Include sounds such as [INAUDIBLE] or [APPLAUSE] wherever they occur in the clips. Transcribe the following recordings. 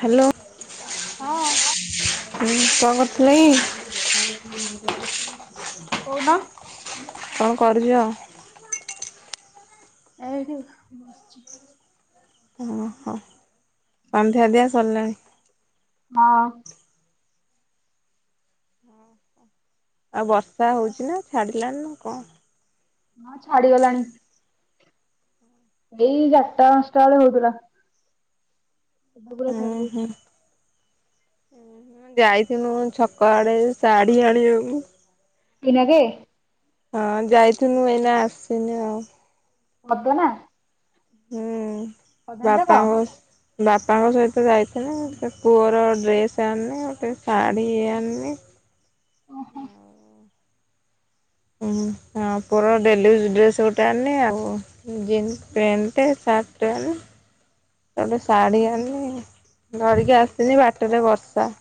Hello. ହଁ। ହୁଁ କଣ କରୁଥିଲେ କି? କହୁନ। କଣ କରୁଛ? ଏଇଠି ବସଛି। ଓହୋ ସଂନ୍ଧ୍ୟା ଦିଆ ସରିଲାଣି। ହଁ। ଆଉ ବର୍ଷା ହଉଛିି ନା ଛାଡିଲାଣିି ନା କଣ? ହଁ ଛାଡିଗଲାଣି। ଏଇ ଚାରିଟା ପାଞ୍ଚଟା ବେଳେ ହଉଥିଲା। ଝୁମୁରା ହୁଁ ଛାଡି ହୁଁ ଯାଇଛି। ଯାଇଥିନୁ ଛକ ଆଡେ ଶାଢ଼ୀ ଆଣିବାକୁ। ପିନାଗେ। ହଁ ଯାଇଥିନୁ ଏଇନା ଆସିନୁ ଆଉ। ମଦୁଆ ନା ହୁଁ ଯାକ ବାପାଙ୍କ। ବାପାଙ୍କ ସହିତ ଯାଇଥିନି ପୁଅର ଡ୍ରେସ୍ ଆଣନି ଗୋଟେ ଶାଢ଼ୀ ଆଣନି। ଓହୋ। ଉଁ ହଁ ପୁରା ଡେଲି ୟୁଜ ଡ୍ରେସ୍ ଗୋଟେ ଆଣନି ଆଉ। ଜିନ୍ସ ପେନ୍ଟ ଟେ ସାର୍ଟ୍ ଟେ ଆଣନି। ଆଉ ଗୋଟେ ଶାଢ଼ୀ ଆନନି, ଧରିକି ଆସଥିନି ବାଟରେ ବର୍ଷା।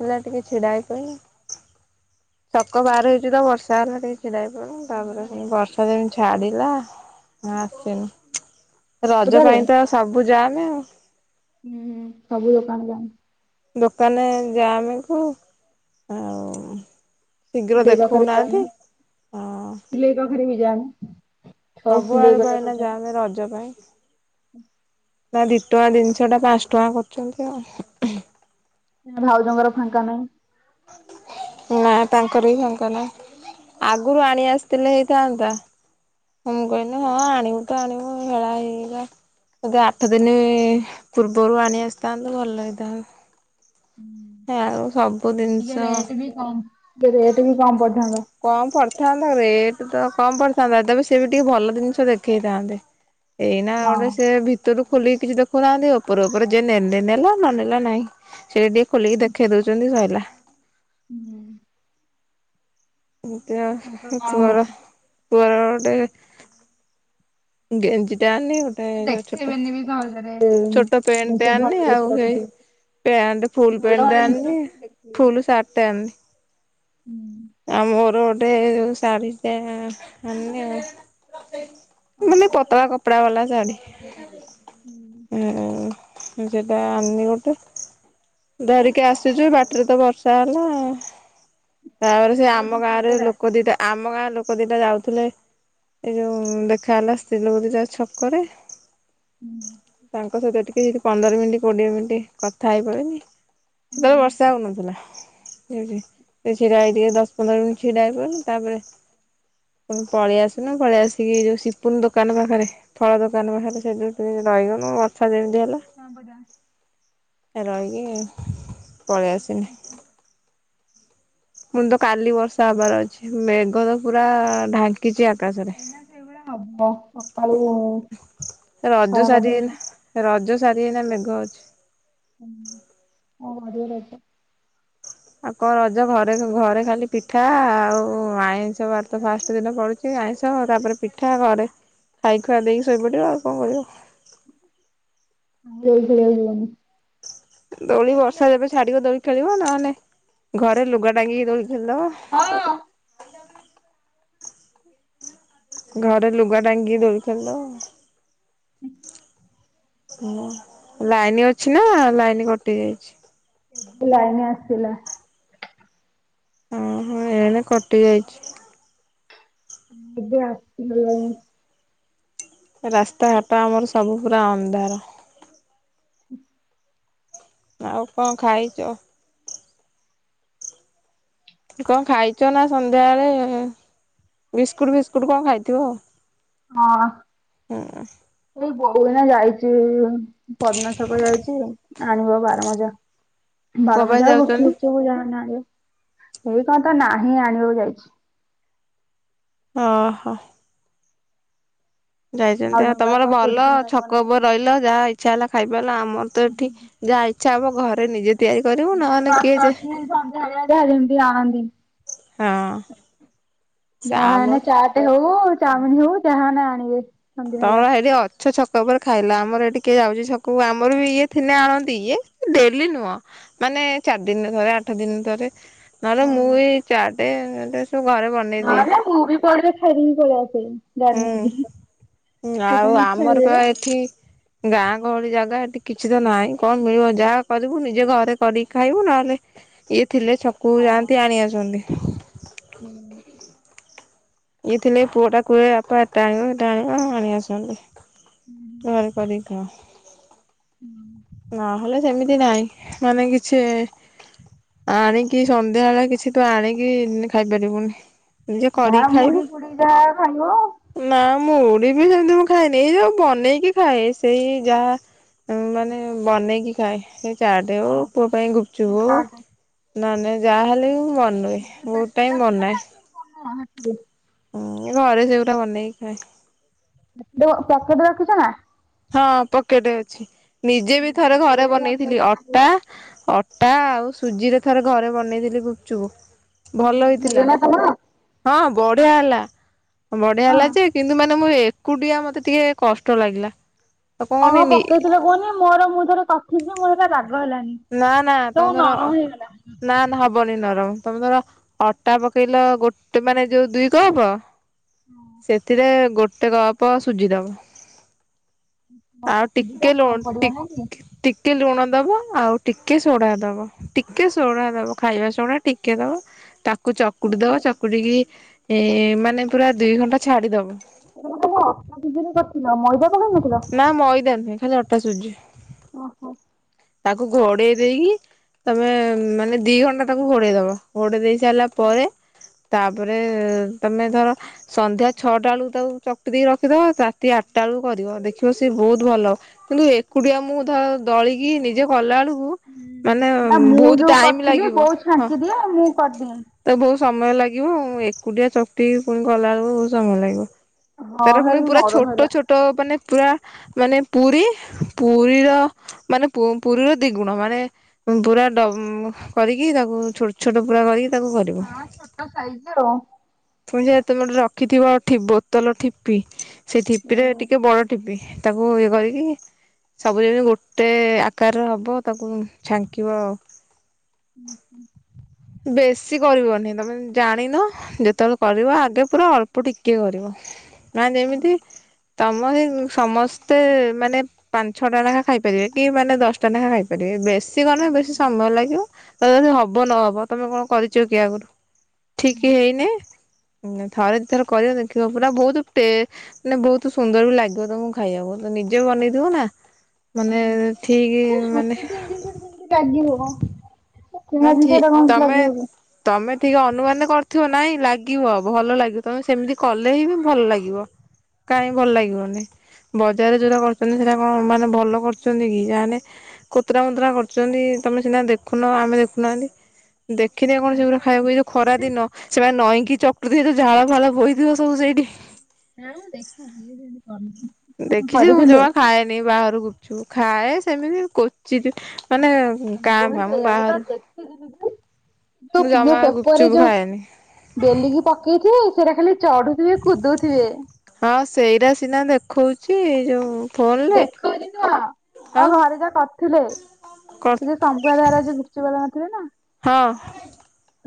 ହେଲା ଟିକେ ଛିଡା ହେଇ ପଇଲି ଛକ ବାହାର ହେଇଛି ତ ବର୍ଷା ହେଲା ଟିକେ। ଛିଡ଼ାହେଇ ପଡ଼ନୁ ତାପରେ ପୁଣି ବର୍ଷା ଯେମତି ଛାଡ଼ିଲା ଆଁ ଆସିନୁ। ରଜ ବଜାରେ ପାଇଁ ତ ସବୁ ଜାମେ ଆଉ। ହୁଁ ହୁଁ ସବୁ ଦୋକାନ ବନ୍ଦ। ଦୋକାନେ ଯାମେ ତ ଆଉ। ଶୀଘ୍ର ସିଲେଇ ଦେଖଉନାହାନ୍ତି ହଁ। ବିଲେଇ [UNINTELLIGIBLE] ଘରେ ବି ଯାଆନି। ସବୁ ଆଡେ ଭାଇନା ଯାମେ ରଜ ପାଇଁ। ନା ଦି ଟଙ୍କା ଜିନିଷ ଟା ପାଞ୍ଚ ଟଙ୍କା କରୁଛନ୍ତି ଆଉ। ନା ଭାଉଜଙ୍କର ଫାଙ୍କା ନାହିଁ। ନା ତାଙ୍କର ବି ଫାଙ୍କା ନାହି। ଆଗରୁ ଆଣି ଆସିଥିଲେ ହେଇଥାନ୍ତା। ମୁଁ କହିଲି ହଁ ଆଣିବୁ ତ ଆଣିବୁ ହେଳା ହେଇଗଲା। ବୋଧେ ଆଠ ଦିନି ପୂର୍ବରୁ ଆଣି ଆସିଥାନ୍ତୁ ଭଲ ହେଇଥା ହେଁ ଆଉ ସବୁ ଜିନିଷ ଟିକେ ରେଟ୍ ବି କମ, ଟିକେ ରେଟ୍ ବି କମ ପଡିଥାନ୍ତା। କମ ପଡିଥାନ୍ତା ରେଟ ତ କମ ପଡିଥାନ୍ତା ତେବେ ସେ ବି ଟିକେ ଭଲ ଜିନିଷ ଦେଖେଇଥାନ୍ତେ। ଏଇନା ହଁ। ଗୋଟେ ସେ ଭିତରୁ ଖୋଲିକି କିଛି ଦେଖଉନାହାନ୍ତି ଉପରୁ ଉପରେ ଯିଏ ନେଲେ ନେଲା ନନେଲା ନାହିଁ। ସେ ଟିକେ ଖୋଲିକି ଦେଖେଇ ଦଉଛନ୍ତି ସଇଲା। ହୁଁ। ତାଙ୍କର [UNINTELLIGIBLE] କଣ ପୁଅର ହଉଛି ପୁଅର ଗୋଟେ ଗେଞ୍ଜି ଟା ଆଣିବୁ। ଏ ଯୋଉ ଛୋଟ, ଛୋଟ ପେଣ୍ଟ ଜିନିଷ ଟେ ଭଲ ଆଣନି ଜିନିଷ ଆଉ ହେଇ ରଖିଥିବେ ପ୍ୟାଣ୍ଟ ଫୁଲ ଭଲ ପେଣ୍ଟ ଭଲ ଟେ ଜିନିଷ ଆନିଲି ରଖିଥିବେ ଦେଖିବେନି। ଫୁଲ ସାର୍ଟ ଟେ ଆଣିଲି ହୁଁ ଆ ମୋର ଗୋଟେ ଶାଢ଼ୀ ଟେ ଆଣିନି ଆଉ ମାନେ ପତଳା କପଡ଼ା ବାଲା ଶାଢ଼ୀ ହୁଁ ଉ ସେଟା ଆନି ଗୋଟେ ଧରିକି ଆସିଛୁ ବାଟିରେ ତ ବର୍ଷା ହେଲା ତାପରେ ସେ କୋଉଠି ଆମ ଗାଁ ରେ ସ୍ନାନକଟା? ଲୋକ ଦିଟା ଆମ ଗାଁରେ ଲୋକ ଦିଟା ଯାଉଥିଲେ ଏ ଯୋଉ ଦେଖ ଖା ହେଲା ସ୍ତ୍ରୀ ଲୋକ ଦି ଟା ଛକରେ ତାଙ୍କ କଥା ଟିକେ ଯି ପନ୍ଦର ମିନିଟ୍ କୋଡିଏ ମିନିଟ କଥା ହେଇପାଲେଇଲି ସେତେବେଳେ ବର୍ଷା ହଉନଥିଲା ଠି ଛିଡା ହେଇ ଟିକେ ଦଶ ପନ୍ଦର ମିନିଟ ଛିଡା ହେଇ ତାପରେ ଣ ପଳେଇଆସନ ପଳେଇ ଆସିକି ଯୋଉ ସି ପୁନ ଦୋକାନ ପାଖରେ ଫଳ ଦୋକାନ ପାଖରେ ସେ ଯେଉମତି ରହିଗନୁ ବର୍ଷା ଯେମିତି ହେଲା। ହଁ ବଧା ରହିକି ପଳେଇ ଆସିନି ହୁଁ ମୁଁ ତ କାଲି ବର୍ଷା ହବାର ଅଛି ମେଘ ତ ପୁରା ଢାଙ୍କ କିଛି ଆକାଶରେ ଏନା ସେଭଳିଆ ହବ ସକାଳୁ ରଜ ଖରା ସାରି କରିଦେଇଛି ହେଇନା ରଜ ସାରି ହେଇନା ମେଘ ଅଛି। ହଁ ହ ଆଧରେଟ ଆଉ କଣ ରଜ ଘରେ ଘରେ ଖାଲି ପିଠା ଆଉ ଆଇଁଷ ବାର ତ ଫାଷ୍ଟ ଦିନ ପଡୁଛି। ଟିକେ ଆଇଁଷ ତାପରେ ପିଠା ଘରେ ଖାଇ ଖୁଆ ଦେଇକି ଶୋଇପଡ଼ିବ ଆଉ କଣ କରିବ। ଖେଳିବାକୁ ଯିବୁନି ଦୋଳି ବର୍ଷା ଯେବେ ଛାଡିବ ଦୋଳି ଖେଳିବ ନହେନେ ଘରେ ଲୁଗା ଟାଙ୍ଗିକି ଦୋଳି ଖେଳିଦବ ହଁ ଘରେ ଲୁଗା ଟାଙ୍ଗିକି ଦୁଳି ଖୋଲିଦେବ ହ ହଁ ଲାଇନ ଅଛି ନା ଲାଇନ କଟି ଯାଇଛି? ଲାଇନ ଆସିଲା। ଓ ହୋ ଏ କଟି ଯାଇଛି। ଏ ଆସିବା ଲାଇନ୍ ରାସ୍ତାଘାଟ ଆମର ସବୁ ପୁରା ଅନ୍ଧାର। ହୁଁ ଆଉ କଣ ଖାଇଛ? କଣ ଖାଇଛ ନା ସନ୍ଧ୍ୟାବେଳେ ବିସ୍କୁଟ ଫିସ୍କୁଟ କଣ ଖାଇଥିବ। ହଁ ଏଇ ବୋଉନା ଯାଇଛି ପଦ୍ମ ଛକ ଯାଇଛି। ଆଣିିବ ବାରା ମଜା। କୋ ବର ପାଇଁ ମଝା ଆଉ ଯାଉଛନ୍ତି ଗୁପଚୁପ୍ ଚୁ କଣ ଆଣିବ ହେଇ କଣ ତ ନାହିଁ ଆଣିବାକୁ ଯାଇଛି ଓହୋ ଯାଇଛନ୍ତି ଆଉ ଭାଉଜଙ୍କ ପାଇଁ ତମର କଣ ଚୁଡି ଭଲ ଫୁଡି ଆଣିବ ନା ଛକ କଣ ଉପର ରହିଲ। ଯାହା ଇଚ୍ଛା ହେଲା ଖାଇବାର ଆମର ତ ଏଠି ଯାହା ଇଚ୍ଛା ହବ ଘରେ ନିଜେ ତିଆରି କରିବୁ ମ ନହେଲେ କିଏ ବା ଯେ ସମଜ ହଲେନ୍ତି ଆଣନ୍ତି ହଁ। ସେ ଯାହେନେ ଆମର ଚାଟ୍ ହଉ ଚାଉମିନ୍ ହଉ ଯାହେନେ ଆଣିବେ। ସନ୍ଧ୍ୟାବେଳିଆ। [UNINTELLIGIBLE] ହେଇଠି ଅ ଛ ଛକ ଉପରେ ଖାଇଲ, ଆମର ଏଠି କିଏ ଯାଉଚି ଛକକୁ ଆମର ବି ଇଏ ଥିନେ ଆଣନ୍ତି ଇଏ ଡେଲି ନୁହଁ। ମାନେ ଚାରି ଦିନରେ ଥରେ ଆଠ ଦିନ ଥରେ ନହେଲେ ମୁଁ ହୁଁ। ବି ଚାଟେ ସବୁ ଘରେ ବନ୍ ନହେଲେ ମୁଁ ବି [UNINTELLIGIBLE] ଫେରିକି ପଳେଇ ଆସେଇ। ଗାଡି ହୁଁ। ନେଇକି ଆଉ [UNINTELLIGIBLE] ଇଚ୍ଛା ଆମର ପା ହୁଏ ଏଠି ଗାଁ ଗହଳି ଜାଗା ଏଠି କିଛି ତ ନାହିଁ କଣ ମିଳିବ ଯାହା କରିବୁ ନିଜେ ଘରେ କରିକି ଖାଇବୁ, ନହେଲେ ଇଏ ଥିଲେ ଛକୁକୁ ଯାଆନ୍ତି ଆଣି ଆସନ୍ତି। ହୁଁ। ଇଏ ଥିଲେ ପୁଅ ଟା କୁହେ ବାପା ଏଟା ଆଣିବ ସେଟା ଆଣିବ ଆଣି ଆସନ୍ତି। ଘର କରିକି ଖାଅ? ନହେଲେ ସେମିତି ନାହିଁ ମାନେ କିଛି ଆଣିକି ସନ୍ଧ୍ୟାବଳେ କିଛି ତୁ ଆଣିକି ଖାଇପାରିବୁନି, ନିଜେ କରି ମୁଢି ଫୁଡି ଯାହ ଖାଇବ। ନାଁ ମୁଁଡି ବି ସେମିତି ମୁଁ ଖାଏନି, ଏଇ ଯୋଉ ବନେଇକି ଖାଏ ସେଇ ଯାହା ଉଁ ମାନେ ବନେଇକି ଖାଏ। ଚାଟେ ହଉ ପୁଅ ପାଇଁ ଗୁପଚୁପ୍ ହଉ ନହେନେ ଯାହାହଲେ ବି ମୁଁ ବ [UNINTELLIGIBLE] ବହୁତ୍ ଟାଇମ୍ ବନାଏ। [INAUDIBLE] ହୁଁ ଏ ଘରେ ସେଗୁରା ବନେଇକି ଖାଏ। [UNINTELLIGIBLE] ପ୍ୟାକେଟ୍ ରଖିଚ ନା? ହଁ ପକେଟେ ଅଛି, ନିଜେ ବି ଥରେ ଘରେ ହେଇଗଲା ବନେଇଥିଲି ଅଟା ଅ ଟା ଆଉ ସୁଜିରେ ଥରେ ଘରେ ବନେଇଥିଲି ଗୁପଚୁପୁ, ଭଲ ହେଇଥିଲା। ତମର? ହଁ ବଢିଆ ହେଲା, ବଢିଆ ହଁ ହେଲା ଯେ କିନ୍ତୁ ମାନେ ମୁଁ ଏକୁଟିଆ, ମତେ ଟିକେ କଷ୍ଟ ଲାଗିଲା। ଆଉ କଣ କଣ-କଣ କହନି ପକେଇଥିଲ କୁହନି, ମୋର ମୁଁ ଥରେ କରିଥିଲି ଯେ ମୋର [UNINTELLIGIBLE] ବାଗ ହେଲାନି। ନା-ନା ସବୁ ତମେ ଧର ନରମ ହେଇଗଲା। ନା-ନା ହବନି ନରମ, ତମେ ଧର ଅଟା ପକେଇଲ ଗୋଟେ ମାନେ ଯୋଉ ଦୁଇ କପ ସେଥିରେ ଗୋଟେ କପ ସୁଜି ଦବ। ଆଉ ଟିକେ ଲୁଣ ଟିକ୍ ଟିକେ ଲୁଣ ଦବ, ଆଉ ଟିକେ ସୋଢା ଦବ ଟିକେ ସୋଢା ଦବ ଖାଇବା ସୋଢା ଟିକେ ଦବ, ତା କୁ ଚକୁଟି ଦବ ଚକୁଟିକି ଏ ମାନେ ପୁରା ଦୁଇ ଘଣ୍ଟା ଛାଡି ଦବ। ଅଟା ସୁଜିରେ କରିଥିଲ, ମଇଦା ପକେଇ ନଥିଲ? ନା ମଇଦା ନୁହେଁ, ଖାଲି ଅଟା ସୁଜି। ଓହୋ। ତାକୁ ଘୋଡେଇ ଦେଇକି ତମେ ମାନେ ଦି ଘଣ୍ଟା ତାକୁ ଘୋଡେଇ ଦବ। ଘୋଡେ଼ଇ ଦେଇ ସାରିଲା ପରେ, ତାପରେ ତମେ ଧର ସନ୍ଧ୍ୟା ଛଅଟାଳୁକୁ ତାକୁ ଚକଟି ଦେଇକି ରଖିଦବ ରାତି ଆଟା ବେଳୁକୁ କରିବ, ଦେ ଦେଖିବ ସି ବହୁତ୍ ଭଲ ହବ, କିନ୍ତୁ ଏକୁଟିଆ ମୁଁ ଦଳିକି ନିଜେ କଲା ବେଳୁକୁ ମାନେ ନା ମୁଁ ବହୁତ୍ ଯୋଉ ଟାଇମ୍ କରିଥିଲି ଲାଗିବ ବୋଉ ହଁ। ଛାଙ୍କି ଦିଏ ମୁଁ କରିଦିଏ। ତ ବହୁତ୍ ସମୟ ଲାଗିବ, ଏକୁଟିଆ ଚକଟିକି ପୁଣି କଲାବେଳକୁ ବହୁତ୍ ସମୟ ଲାଗିବ। ହଁ ତାର ପୁଣି ହେଲେ ପୁରା ନରମ ହେଲା। ଛୋଟ-ଛୋଟ ମାନେ ପୁରା ମାନେ ପୁରି, ପୁରିର ମାନେ ପୁରୀର ଦି ଗୁଣ, ମାନେ ପୁରା ଡ କରିକି ତାକୁ ଛୋଟ ଛୋଟ ପୁରା କରିକି ତାକୁ କରିବ। ହଁ ଛୋଟ ସାଇଜ ର। ପୁଣି ଯେ ତୁମେ ଗଟେ ରଖିଥିବ ବୋତଲ ଠିପି, ସେ ଠିପି ରେ ଟିକେ ହୁଁ ବଡ ଠିପି। ତାକୁ ଇଏ କରିକି ସବୁ ଯେମିତି ଗୋଟେ ଆକାରର ହେବ ତାକୁ ଛାଙ୍କିବ ଆଉ ହୁଁ ହୁଁ! ବେଶୀ କରିବନି ତମେ ଜାଣିନ ଯେତେବେଳେ କରିବ ଆଗେ ପୁରା ଅଳ୍ପ ଟିକେ କରିବ ମାନେ ଯେମିତି ତମ ହ ସମସ୍ତେ ମାନେ ପାଞ୍ଚ ଛଅ ଟା ନାଖା ଖାଇ ପାରିବେ କି ମାନେ ଦଶଟା ନାଖା ଖାଇପାରିବେ ବେଶ ସି କ ବେଶୀ ସମୟ ଲାଗିବ, ତ ଯଦି ହବ ନହବ ତମେ କଣ କରିଛ କି ଆଗରୁ? ଠିକ ହେଇନି ଥରେଦି ଥର କରିବ ଦେଖିବ ପୁରା ବହୁତ ଟେ ମାନେ ବହୁତ ସୁନ୍ଦର ବି ଲାଗିବ ତମକୁ ଖାଇବାକୁ ନିଜେ ବନେଇଥିବ ନା ମାନେ ଠିକ ମାନେ ଲାଗି ହବ ତି ନା ଦିନି ଠି ସେଟା କଣ ତମେ ଲାଗି ହଵ ତମେ ଟିକେ ଅନୁମାନ କରିଥିବ ନାଇଁ ଲାଗିବ ଭଲ ଲାଗିବ ତମେ ସେମିତି କଲେ ହିଁ ବି ଭଲ ଲାଗିବ। କାହିଁକି ଭଲ ଲାଗିବନି ବଜାରରେ ଯୋଉଟା କରଛନ୍ତି ସେଟା କଣ ମାନେ ଭଲ କରୁଛନ୍ତି ଯାହେନେ କତୁର ମତରା କରୁଛନ୍ତି ତମେ ସିନା ଦେଖୁନ ଆମେ ଦେଖୁ। ନାହାନ୍ତି ଦେଖିନି କଣ ଶେଗୁରା ଖାଇବାକୁ ଏଇ ଯୋଉ ଖରା ଦିନ। ସେମାନେ ନଈଁକି ଚକୁଥ ଯୋଉ ଝାଳ ଫାଳ ବଥିବ ସବୁ ସେଇଠି। ଆଁ ଦେଖିନି କରିଥିଲେ ନେଇ ବାହାରୁ ଗୁପଚୁପ ଖାଏ ସେମିତି କଚିତ ମାନେ କାଁ ଭାମୁ ବାହାରୁ ତୁ ମୁଁ ବୁ ଜମା ପରେ ଗୁପଚୁପ୍ ଯଉ। ଖାଏନି। ବେଲିକି ପକେଇଥିବେ ସେଇଟା ଖାଲି ଚଢୁଥିବେ କୁଦୁଥିବେ। ହଁ ସେଇଟା ସିନା ଦେଖଉଛି ଯୋଉ। ଫୋନରେ ଦେଖୁ ନୁହ ଆଉ ଘରେ ଯା କରିଥିଲେ। କର୍ ସେ ଯ ସମ୍ପୁ ଦାରା ଯ ଗୁପଚୁପ୍ ବାଲା ନଥିଲେ ନା। ହଁ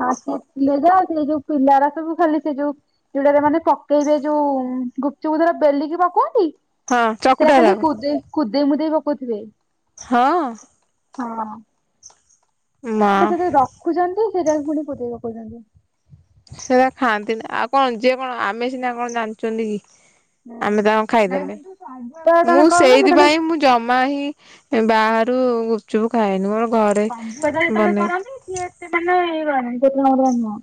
ହଁ ସେ ପ ସେ ଯୋଉ ପିଲାର ସବୁ ଖାଲି ସେ ଯୋଉ। ଯୁଡାରେ ମାନେ ପକେଇବେ ଯୋଉ ଗୁପଚୁପୁର ବେଲିକି ପକନ୍ତି। ହଁ ସେଟା ଖାଲି ଚକୁଟାରାକ କୁଦେଇ କୁଦେଇ ମୁଦେଇ ପକଉଥିବେ। ହଁ। ହଁ। ମା ଆମେ ସେଠି ରଖୁଛନ୍ତି ସେଟା ପୁଣି ପୋତେଇ ପକାଉଛନ୍ତି। ସେଟା ଖାଆନ୍ତିନି ଆଉ କଣ ଯିଏ କଣ ଆମେ ସିନା କଣ ଜାଣିଛନ୍ତି କି। ହୁଁ। ଆମେ ତାଙ୍କୁ ନାଇଁ ଖାଇଦେଲେ କିନ୍ତୁ ସଞ୍ଜବେଳେ ମୁଁ ତମେ କରୁନ ସେତେବେଳେ ସେଇଥିପାଇଁ ମୁଁ। ଜମା ହି ବାହାରୁ ଗୁପଚୁପୁ ଖାଏନି ମୋର ଘରେ କମ୍ବୁଜ ଯେତେବେଳେ ବନେଇ କରନି ସିଏ ଏତେ ମାନେ ହେଇ କରନି କେତେ ଟଙ୍କ ନୁହଁ।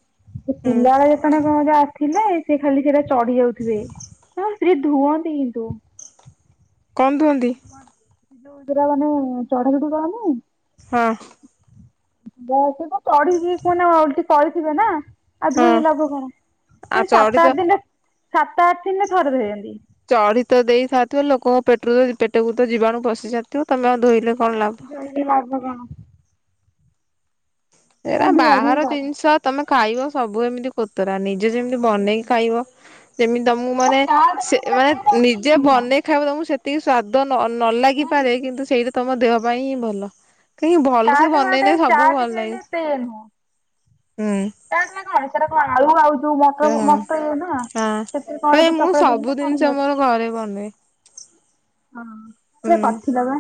ସେ ହୁଁ ପିଲାବେଳେ ଯେତେବେଳେ କଣ ଯ। ଥିଲା ସେ ଖାଲି ସେଇଟା ଚଢି ଯାଉଥିବେ ନା ସ୍ତ୍ରୀ ଧୁଅନ୍ତି କିନ୍ତୁ। କଣ ଧୁଅନ୍ତି? କ ଯା ମାନେ ଚଢା ଚଢ଼ି କରନ୍ତିନି। ହଁ। ସେ କ ପଢିକି କୁହ କରିଥିବେ ନା। ଆଉ ହଁ ଧୋଇକି ଲାଭ କଣ ଆଉ ତ ଚଢି ସାତ ଆଠ ଦିନରେ ସାତ ଆଠ ଦିନରେ ଥରେ ଧୋଇନ୍ତି। ଚଢ଼ି ତ ଦେଇସରିଥିବ ଲୋକଙ୍କ ପେଟରୁ ପେଟକୁ ତ ଯିବାଣୁ ପଶି ଯାଇଥିବ ତମେ ଆଉ ଧୋଇଲେ କଣ ଲାଭ। ଜ ଲାଗ କଣ। [INAUDIBLE] ନା ଏରା଼ ଧୁଆ ଧୁଇ ବାହାର କର ଜିନିଷ ତମେ ଖାଇବ ସବୁ ଏମିତି କୋତରା ନି ନିଜେ ଯେମତି ବନେଇକି ଖାଇବ ସେମିତି ତମକୁ ମାନେ ଚାଟ ସେ ଗୁଡା ଖାଇଲେ ମାନେ ଏତେ ଇଏ ନିଜେ ନୁହଁ। ବନେଇ ଖାଇବ ତମକୁ ସେତିକି ସ୍ଵାଦ ନ ଲାଗିପାରେ କିନ୍ତୁ ସେଇଟା ତମ ଦେହ ପାଇଁ ହିଁ ଭଲ। କାଇହିଁ ଭଲସେ ବନେଇନେ ସବୁ ଭଲ ଲାଗେ। ସେନୁ। ହୁଁ। ତା ନା କଣ ସେଟା କଣ ଆଳୁ ଆଉ। ଯୋଉ ସେ ମଟର ହଁ ମଟରନା ହଁ ସେଥିରେ ଭାଇ କଣଗୋଟେ ମୁଁ ଚକଟ ଚକଟି ନା ସବୁ କଣ ଜିନିଷ ଗୋଟେ ଅଛି। ମୋର ଘରେ ବନାଏ ହଁ ପା ହୁଁ ପାଠ ଦବା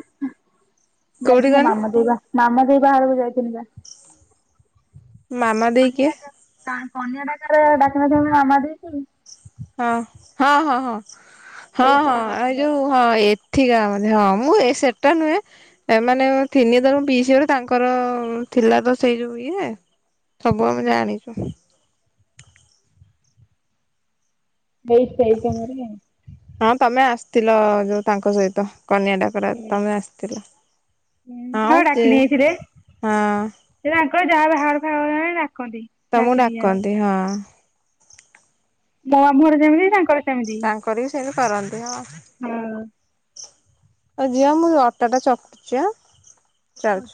କୋଉଠି ଯାଇଥିବା କହନି ନାମ ଦେଇବା। ମାମା ସଦେଇ ବାହାଘରକୁ ଯାଇଥିଲି ଜା। ମାମା ଦେଇ କିଏ। ନା କନ୍ୟା ଡାକାରା ଡାକିନଥିବ ମୋ ମାମା ଦେଇଛି। ହଁ ହଁ ହଁ ହଁ ହଁ ହଁ ସେଇଥିରେ ଆଉ କରିଥିଲେ। ଯୋଉ ହଁ ଏଠିକା ମାନେ ହଁ ମୁଁ ଏ ସେଟା ନୁହେଁ। ଏମାନେ ତିନି ତର ପିଇସିଘର ତାଙ୍କର ଥିଲା ତ ସେଇ ଯୋଉ ଇଏ। ସବୁ ଆମେ ଜାଣିଛୁ। ବୟସ୍ ତାଇକ ମର। [UNINTELLIGIBLE] ହଁ ତମେ ଆସିଥିଲ ଯୋଉ ତାଙ୍କ ସହିତ କନ୍ୟାଡ଼ା ଡାକରା ତମେ ତାଙ୍କୁ ଆସିଥିଲ ହଁ ଡାକି ଛି ନେଇଯାଇଥିଲେ ହଁ। ସେ ତାଙ୍କର ଯାହା ବାହାଘର ପାହାଘର ହେଲେ ଡ଼ାକନ୍ତି। ତମକୁ ଡ଼ାକନ୍ତି ହଁ। ମୋ ମାମୁଁଘର ଯେମିତି ତାଙ୍କର ସେମିତି। କରିକି ସେମିତି କରନ୍ତି ହଁ। ହଁ ଆଉ ଝିଅ ମୁଁ ଅଟାଟା ଚକ୍‌ଟୁଚି ଆଁ। ହ ଯାଉଛି।